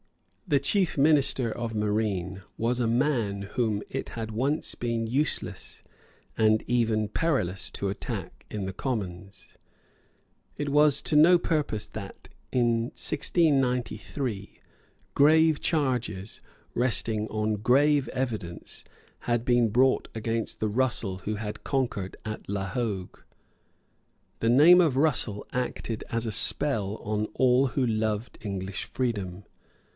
The chief minister of marine was a man whom it had once been useless and even perilous to attack in the Commons. It was to no purpose that, in 1693, grave charges, resting on grave evidence, had been brought against the Russell who had conquered at La Hogue. The name of Russell acted as a spell on all who loved English freedom.